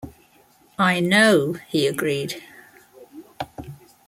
"I know," he agreed.